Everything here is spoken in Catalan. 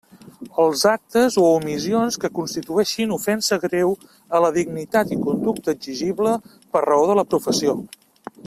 Els actes o omissions que constitueixin ofensa greu a la dignitat i conducta exigible per raó de la professió.